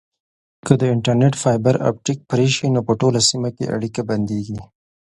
که د انټرنیټ فایبر اپټیک پرې شي نو په ټوله سیمه کې اړیکه بندیږي.